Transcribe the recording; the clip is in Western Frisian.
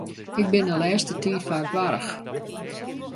Ik bin de lêste tiid faak warch.